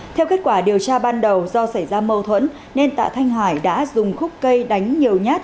theo kết quả điều tra ban đầu do xảy ra mâu thuẫn nên tạ thanh hải đã dùng khúc cây đánh nhiều nhát